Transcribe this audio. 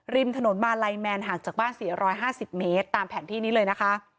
ริมถนนมาลัยแมนห่างจากบ้าน๔๕๐เมตรตามแผนที่นี้เลยนะคะ